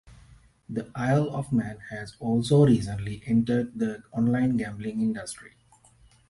The Isle of Man has also recently entered the online gambling industry.